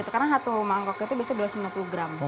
karena satu mangkok itu biasanya dua ratus lima puluh gram